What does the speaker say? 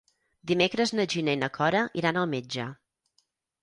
Dimecres na Gina i na Cora iran al metge.